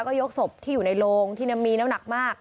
ก็ยกศพที่อยู่ในโรงที่มีน้ำหนักมาก